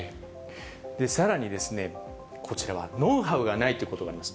さらにですね、こちらはノウハウがないということがあります。